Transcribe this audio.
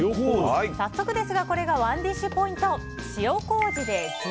早速ですがこれがＯｎｅＤｉｓｈポイント。